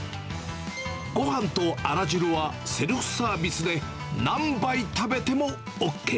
ごはんとあら汁はセルフサービスで、何杯食べてもＯＫ。